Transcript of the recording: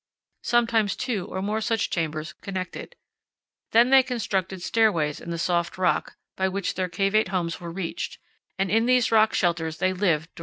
Sometimes two or more such chambers connected. Then they constructed stairways in the soft rock, by which their cavate houses were reached; and in these rock shelters they lived during times powell canyons 30.